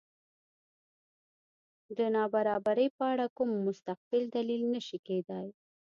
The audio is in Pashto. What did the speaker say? دا د نابرابرۍ په اړه کوم مستقل دلیل نه شي کېدای.